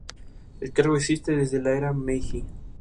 Le Mesnil-le-Roi